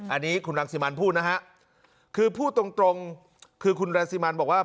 อันนี้คุณรังสิมันพูดนะฮะคือพูดตรงตรงคือคุณรังสิมันบอกว่า